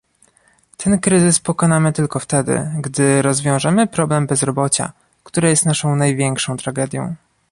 Ten kryzys pokonamy tylko wtedy, gdy rozwiążemy problem bezrobocia, które jest naszą największą tragedią